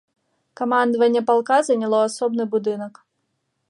Камандаванне палка заняло асобны будынак.